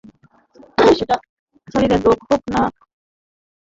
সেটা শরীরের রোগ হোক বা মনেরই হোক।